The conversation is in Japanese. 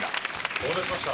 お待たせしました。